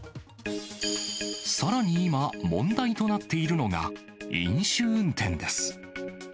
さらに今、問題となっているのが、飲酒運転です。